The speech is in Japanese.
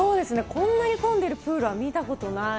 こんなに混んでるプールは見たことない。